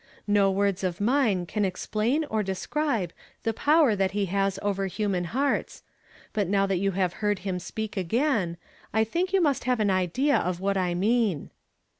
No words of mine can explain or describe the power that he has over human hearts ; but now that you have heard liiin speak again, I think you must have an idea of what I mean."